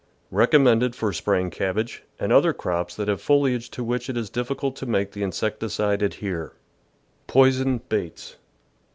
Recom mended for spraying cabbage and other crops that have foliage to which it is difficult to make the insecticide adhere. Poisoned Baits.